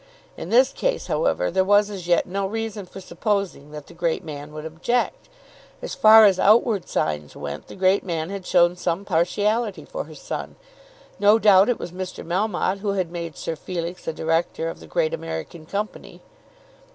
In this case, however, there was as yet no reason for supposing that the great man would object. As far as outward signs went, the great man had shown some partiality for her son. No doubt it was Mr. Melmotte who had made Sir Felix a director of the great American Company.